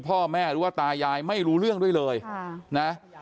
พ่อแม่หรือว่าตายายไม่รู้เรื่องด้วยเลยนะ